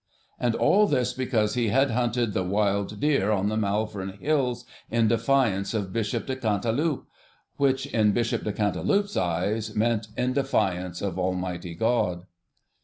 And all this because he had hunted the wild deer on the Malvern Hills in defiance of Bishop de Cantilupe, which in Bishop de Cantilupe's eyes meant in defiance of Almighty God.